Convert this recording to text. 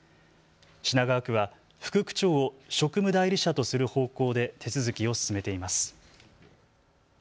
品川区は副区長を職務代理者とする方向で手続きを進めています。